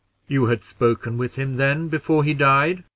"You had spoken with him, then, before he died?"